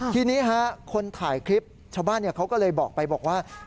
ทีนี้คนถ่ายคลิปชาวบ้านเขาก็เลยบอกไปบอกว่า